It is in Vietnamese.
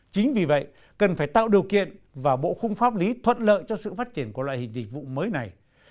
chính vì vậy cần phải tạo điều kiện và bộ khung pháp lý thuận lợi cho sự phát triển của loại hình dịch vụ mới này